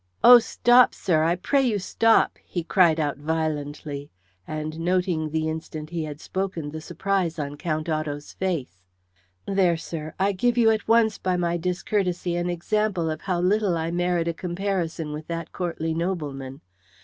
"Oh, stop, sir. I pray you stop!" he cried out violently, and noting the instant he had spoken the surprise on Count Otto's face. "There, sir, I give you at once by my discourtesy an example of how little I merit a comparison with that courtly nobleman.